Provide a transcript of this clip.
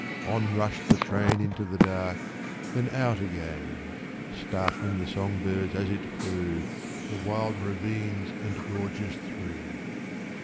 On rushed the train Into the dark, then out again, Startling the song birds as it flew The wild ravines and gorges through.